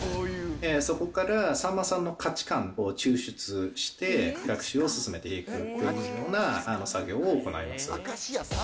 そこからさんまさんの価値観を抽出して、学習を進めていくというような作業を行います。